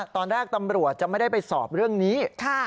ตอนแรกตำรวจจะไม่ได้ไปสอบเรื่องนี้